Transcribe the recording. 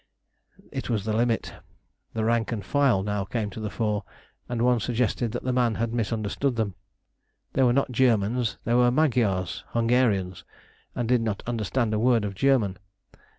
It was the limit. The rank and file now came to the fore, and one suggested that the man had misunderstood them. They were not Germans: they were Magyars (Hungarians), and did not understand a word of German.